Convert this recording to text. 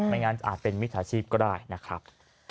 ไม่งั้นอาจเป็นมิจฉาชีพก็ได้นะครับ